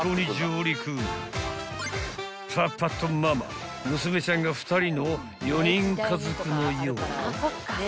［パパとママ娘ちゃんが２人の４人家族のようよ］